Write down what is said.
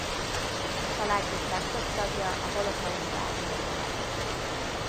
Családjuk legtöbb tagja a holokauszt áldozata lett.